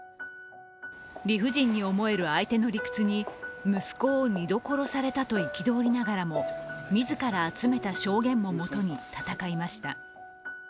理不尽に思える相手の理屈に息子を２度殺されたと憤りながらも自ら集めた証言ももとに闘いました。